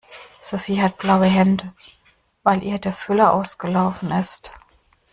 Sophie hat blaue Hände, weil ihr der Füller ausgelaufen ist.